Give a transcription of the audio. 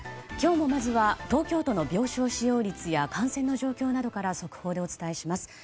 今日もまずは東京都の病床使用率や感染の状況などから速報でお伝えします。